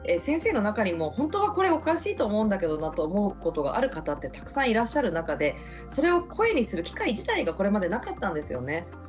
先生の中にも本当はこれおかしいと思うんだけどなと思うことがある方ってたくさんいらっしゃる中でそれを声にする機会自体がこれまでなかったんですよね。